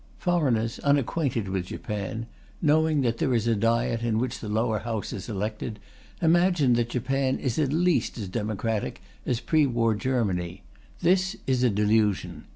Foreigners unacquainted with Japan, knowing that there is a Diet in which the Lower House is elected, imagine that Japan is at least as democratic as pre war Germany. This is a delusion.